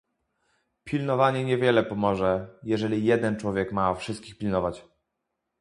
"Pilnowanie niewiele pomoże, jeżeli jeden człowiek ma wszystkich pilnować."